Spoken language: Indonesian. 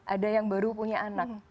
ada yang baru punya anak